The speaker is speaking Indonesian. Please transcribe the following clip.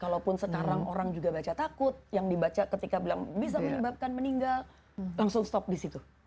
kalaupun sekarang orang juga baca takut yang dibaca ketika bilang bisa menyebabkan meninggal langsung stop di situ